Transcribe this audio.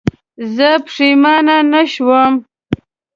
زه پښېمانه نه شوم.